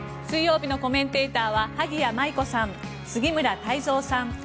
水曜日のコメンテーターは萩谷麻衣子さん、杉村太蔵さん